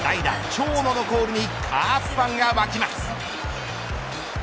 長野のコールにカープファンが沸きます。